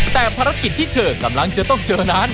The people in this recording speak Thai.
แต่ภารกิจที่เธอกำลังจะต้องเจอนั้น